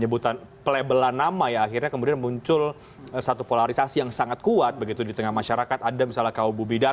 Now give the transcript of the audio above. butuh lapang dada